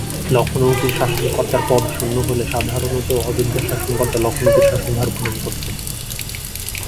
লখনৌতির শাসনকর্তার পদ শূন্য হলে সাধারণত অযোধ্যার শাসনকর্তা লখনৌতির শাসনভার গ্রহণ করতেন।